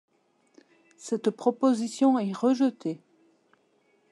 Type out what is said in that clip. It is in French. Cette proposition est rejetée.